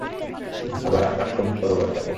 আবার আমরা সোম সারোবার যাবো।